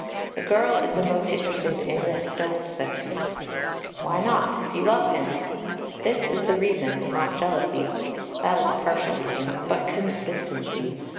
The girl is the most interested in this don't sentence. Why not, if you love him? This is the reason, not jealousy, that is a partial reason, but consistency.